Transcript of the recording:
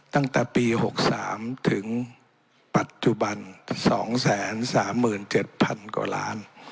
ตั้งแต่ปี๖๓ถึงปัจจุบัน๒๓๗๐๐กว่าล้าน